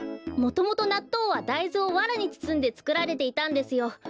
もともとなっとうはだいずをわらにつつんでつくられていたんですよ。